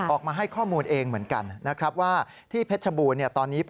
ออกมาให้ข้อมูลเองเหมือนกันนะครับว่าที่เพชรบูรณ์ตอนนี้